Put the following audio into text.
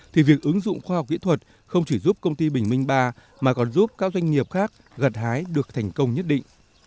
thì việc ứng dụng khoa học kỹ thuật không chỉ giúp công ty bình minh ba mà còn giúp các doanh nghiệp khác gật hái được thành công nhất định